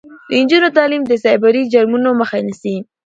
د نجونو تعلیم د سایبري جرمونو مخه نیسي.